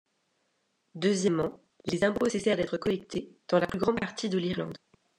Deuxièmement, les impôts cessèrent d'être collectés dans la plus grande partie de l'Irlande.